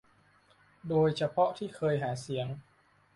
โดยเฉพาะที่เคยหาเสียง